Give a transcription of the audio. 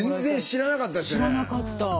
知らなかった。